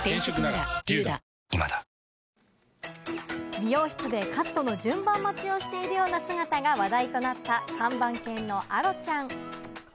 美容室でカットの順番待ちをしているような姿が話題となった看板犬のアロちゃん。